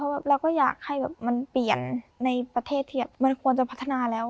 เราก็อยากให้แบบมันเปลี่ยนในประเทศที่มันควรจะพัฒนาแล้ว